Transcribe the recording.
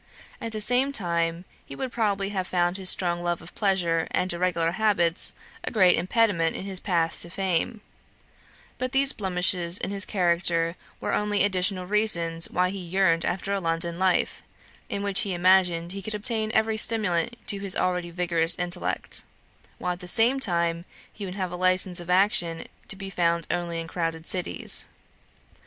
At the same time, he would probably have found his strong love of pleasure and irregular habits a great impediment in his path to fame; but these blemishes in his character were only additional reasons why he yearned after a London life, in which he imagined he could obtain every stimulant to his already vigorous intellect, while at the same time he would have a license of action to be found only in crowded cities.